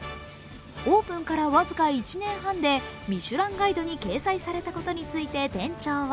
オープンから僅か１年半で「ミシュランガイド」に掲載されたことについて店長は